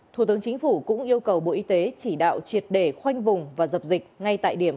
thủ tướng chính phủ cũng yêu cầu bộ y tế chỉ đạo triệt để khoanh vùng và dập dịch ngay tại điểm